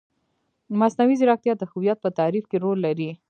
مصنوعي ځیرکتیا د هویت په تعریف کې رول لري.